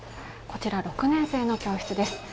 こちら、６年生の教室です。